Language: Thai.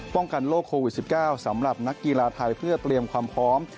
ป้องกันโรคโควิด๑๙สำหรับนักกีฬาไทยเพื่อเตรียมความพร้อม